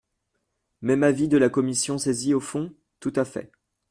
Même avis de la commission saisie au fond ? Tout à fait.